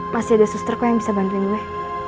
masih ada suster kok yang bisa bantuin gue